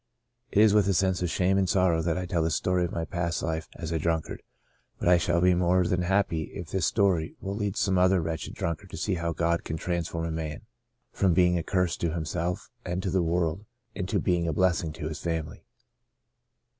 "It is with a sense of shame and sorrow that I tell the story of my past life as a drunkard, but I shall be more than happy if this story will lead some other wretched drunkard to see how God can transform a man from being a curse to himself and to the world, into being a blessing to his family.